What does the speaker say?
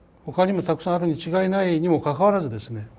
ほかにもたくさんあるに違いないにもかかわらずですね